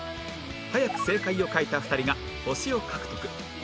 早く正解を書いた２人が星を獲得